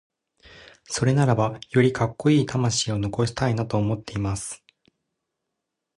それならばよりカッコイイ魂を残したいなと思っています。